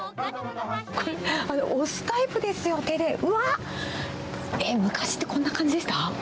これ、押すタイプですよ、手で、うわっ、えっ、昔ってこんな感じですか？